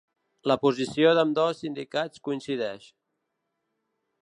La posició d'ambdós sindicats coincideix.